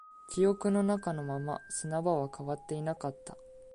記憶の中のまま、砂場は変わっていなかった